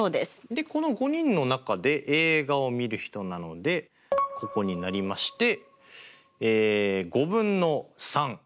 でこの５人の中で映画をみる人なのでここになりましてえ５分の３。